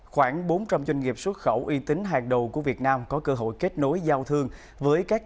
khoảng bốn trăm linh doanh nghiệp xuất khẩu uy tín hàng đầu của việt nam có cơ hội kết nối giao thương với các